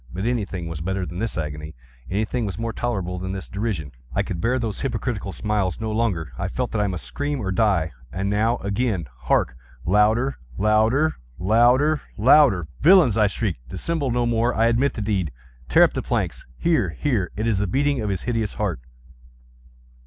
But anything was better than this agony! Anything was more tolerable than this derision! I could bear those hypocritical smiles no longer! I felt that I must scream or die! and now—again!—hark! louder! louder! louder! louder! "Villains!" I shrieked, "dissemble no more! I admit the deed!—tear up the planks!—here, here!—It is the beating of his hideous heart!"